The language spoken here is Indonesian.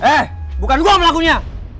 eh bukan gue yang melakukannya